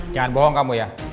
jangan bohong kamu ya